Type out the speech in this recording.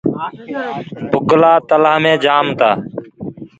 بُگلآ تلآ مي جآم تآ۔